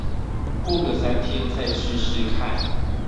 過個三天再試試看